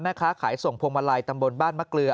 แม่ค้าขายส่งพวงมาลัยตำบลบ้านมะเกลือ